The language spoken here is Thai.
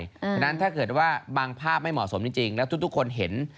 เพราะฉะนั้นถ้าเกิดว่าบางภาพไม่เหมาะสมจริงแล้วทุกคนเห็น